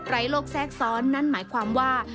โรคแทรกซ้อนนั่นหมายความว่า